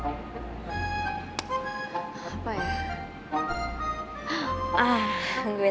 kalau gue bisa melillan tempat ini